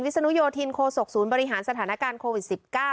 ศนุโยธินโคศกศูนย์บริหารสถานการณ์โควิด๑๙